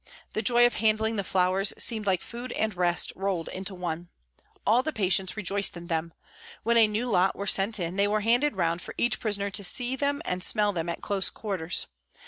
The joy of handling the flowers seemed like food and rest rolled into one. All the patients rejoiced in them. When a new lot were sent in they were handed round for each prisoner to see them and smell them at close quarters.